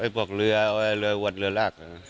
พวกเรือวันเรือราก